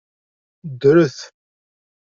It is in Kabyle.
Ddret!